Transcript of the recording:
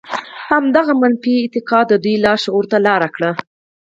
همدغه منفي اعتقاد د دوی لاشعور ته لاره کړې